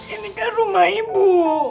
ini kan rumah ibu